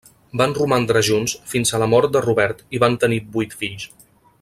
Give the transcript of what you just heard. Van romandre junts fins a la mort de Robert i van tenir vuit fills.